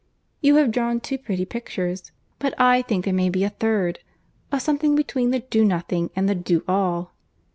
You have drawn two pretty pictures; but I think there may be a third—a something between the do nothing and the do all.